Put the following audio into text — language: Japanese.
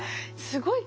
すごい！